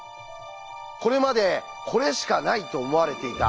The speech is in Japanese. これまで「これしかない」と思われていた